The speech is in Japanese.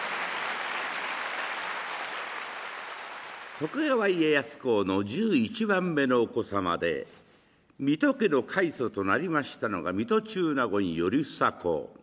徳川家康公の１１番目のお子様で水戸家の開祖となりましたのが水戸中納言頼房公。